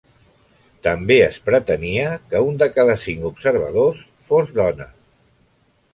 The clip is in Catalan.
També es pretenia que un de cada cinc observadors fos dona.